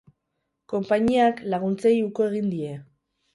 Konpainiak laguntzei uko egin die.